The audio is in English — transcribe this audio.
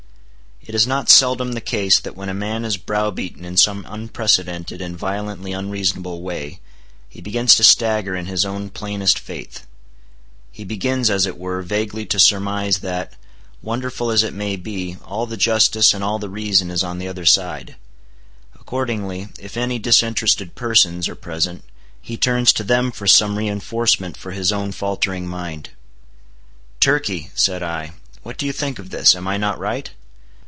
It is not seldom the case that when a man is browbeaten in some unprecedented and violently unreasonable way, he begins to stagger in his own plainest faith. He begins, as it were, vaguely to surmise that, wonderful as it may be, all the justice and all the reason is on the other side. Accordingly, if any disinterested persons are present, he turns to them for some reinforcement for his own faltering mind. "Turkey," said I, "what do you think of this? Am I not right?"